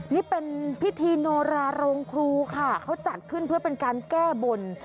นี่เป็นพิธีโนราโรงครูค่ะเขาจัดขึ้นเพื่อเป็นการแก้บน